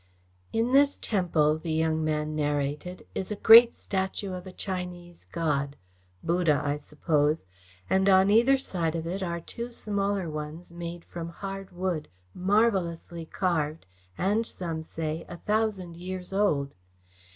"In this temple," the young man narrated, "is a great statue of a Chinese god Buddha, I suppose and on either side of it are two smaller ones made from hard wood, marvellously carved, and, some say, a thousand years old.